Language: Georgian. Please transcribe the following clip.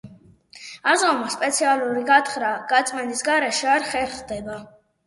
აზომვა სპეციალური გათხრა-გაწმენდის გარეშე არ ხერხდება.